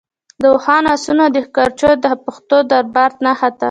د اوښانو، آسونو او د کچرو د پښو دربا نه خته.